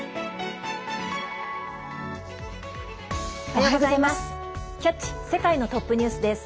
おはようございます。